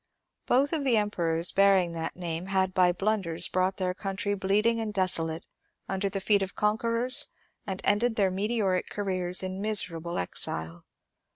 Both of the Empe rors bearing that name had by blunders brought their coun try bleeding and desolate under the feet of conquerors and ended their meteoric careers in miserable exile.